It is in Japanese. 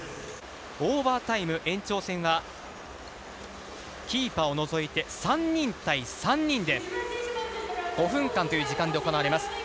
オーバータイム、延長戦はキーパーを除いて３人対３人で５分間という時間で行われます。